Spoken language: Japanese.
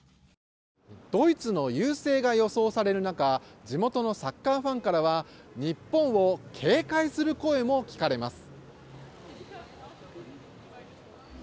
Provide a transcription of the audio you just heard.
ドイツの優勢が予想される中地元のサッカーファンからは日本を警戒する声も聞かれます。